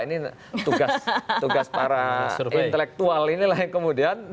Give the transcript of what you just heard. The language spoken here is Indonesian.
ini tugas para intelektual inilah yang kemudian